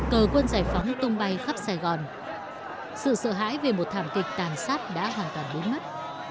cờ quân giải phóng tung bay khắp sài gòn sự sợ hãi về một thảm kịch tàn sát đã hoàn toàn biến mất